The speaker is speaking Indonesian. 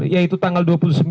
yaitu tanggal dua puluh sembilan